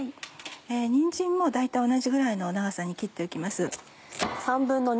にんじんも大体同じぐらいの長さに切っておきます。